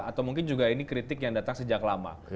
atau mungkin juga ini kritik yang datang sejak lama